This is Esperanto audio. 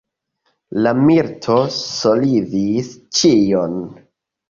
La milito solvis ĉion.